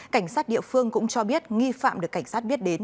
cảnh sát địa phương cũng cho biết nghi phạm được cảnh sát biết đến